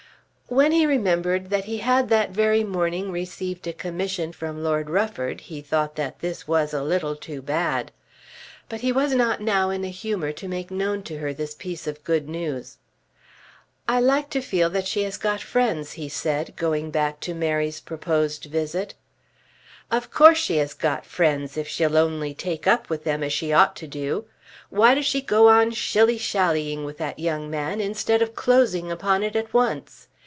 When he remembered that he had that very morning received a commission from Lord Rufford he thought that this was a little too bad. But he was not now in a humour to make known to her this piece of good news. "I like to feel that she has got friends," he said, going back to Mary's proposed visit. "Of course she has got friends, if she'll only take up with them as she ought to do. Why does she go on shilly shallying with that young man, instead of closing upon it at once?